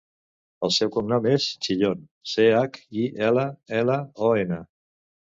El seu cognom és Chillon: ce, hac, i, ela, ela, o, ena.